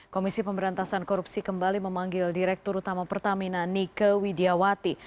komisi pemberantasan korupsi kembali memanggil direktur utama pertamina nike widiawati